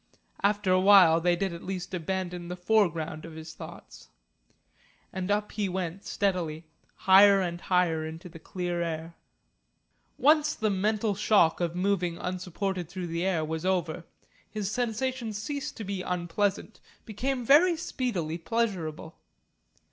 After a while they did at least abandon the foreground of his thoughts. And up he went steadily, higher and higher into the clear air. Once the mental shock of moving unsupported through the air was over, his sensations ceased to be unpleasant, became very speedily pleasurable.